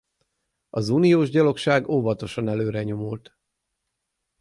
Az uniós gyalogság óvatosan előrenyomult.